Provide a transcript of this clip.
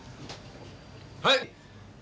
はい！